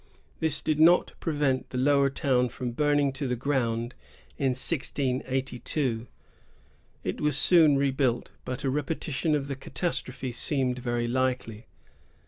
^ This did not prevent the Lower Town from burning to the ground in 1682. It was soon rebuilt, but a repetition of the catastrophe seemed very likely.